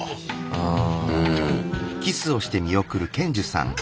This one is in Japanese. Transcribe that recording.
うん。